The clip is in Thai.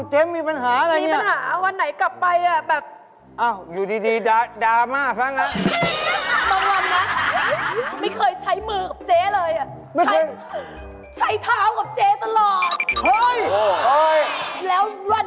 เชื่อไหมนี่กลางหลังเจ๊เลย